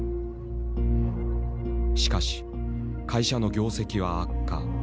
しかし会社の業績は悪化。